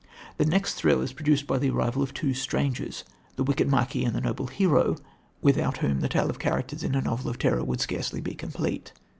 The next thrill is produced by the arrival of two strangers, the wicked marquis and the noble hero, without whom the tale of characters in a novel of terror would scarcely be complete.